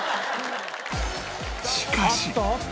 しかし